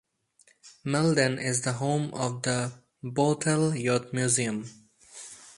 Malden is the home of the Bootheel Youth Museum.